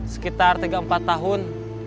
sekitar tiga empat tahun